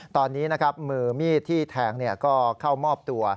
ตอนนี้นะครับมือมีดที่แทงก็เข้ามอบตัว